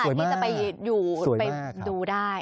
ที่จะไปอยู่ไปดูได้